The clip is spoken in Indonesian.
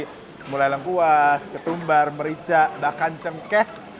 seperti mulai lengkuas ketumbar merica bahkan cemkeh